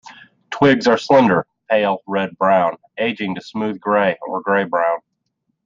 Twigs are slender, pale red-brown, aging to smooth gray or gray-brown.